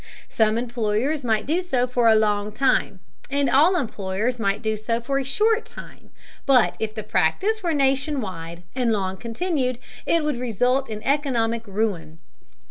Some employers might do so for a long time, and all employers might do so for a short time, but if the practice were nation wide and long continued, it would result in economic ruin.